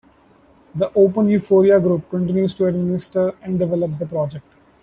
The openEuphoria Group continues to administer and develop the project.